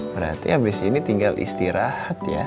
berarti abis ini tinggal istirahat ya